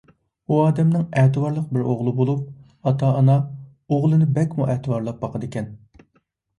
ئۇ ئادەمنىڭ ئەتىۋارلىق بىر ئوغلى بولۇپ، ئاتا - ئانا ئوغلىنى بەكمۇ ئەتىۋارلاپ باقىدىكەن.